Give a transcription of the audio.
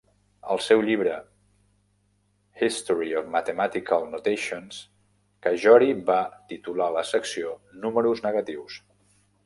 Al seu llibre "History of Mathematical Notations", Cajori va titular la secció "Números negatius".